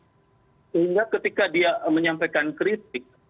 sehingga ketika dia menyampaikan kritik